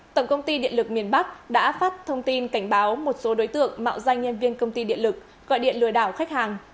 tổng công ty điện lực miền bắc đã phát thông tin cảnh báo một số đối tượng mạo danh nhân viên công ty điện lực gọi điện lừa đảo khách hàng